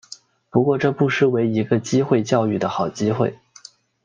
不过这不失为一个机会教育的好机会